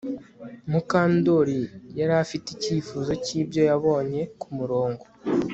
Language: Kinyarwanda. Mukandoli yari afite icyifuzo cyibyo yabonye kumurongo